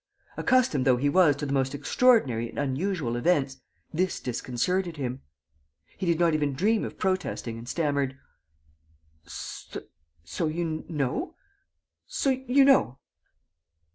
Accustomed though he was to the most extraordinary and unusual events, this disconcerted him. He did not even dream of protesting and stammered: "So you know?... So you know?..."